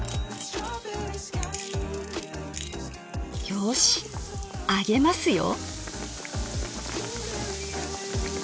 よし揚げますよ。